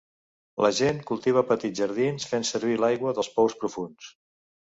La gent cultiva petits jardins fent servir l'aigua dels pous profunds.